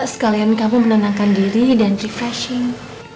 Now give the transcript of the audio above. sekalian kamu menenangkan diri dan refreshing